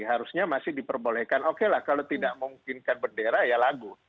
harusnya masih diperbolehkan oke lah kalau tidak memungkinkan bendera ya lagu